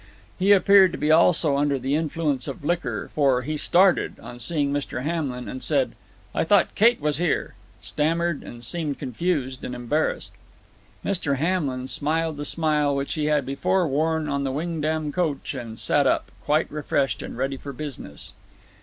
He appeared to be also under the influence of liquor, for he started on seeing Mr. Hamlin, and said, "I thought Kate was here," stammered, and seemed confused and embarrassed. Mr. Hamlin smiled the smile which he had before worn on the Wingdam coach, and sat up, quite refreshed and ready for business.